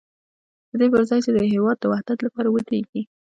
د دې پر ځای چې د هېواد د وحدت لپاره ودرېږي.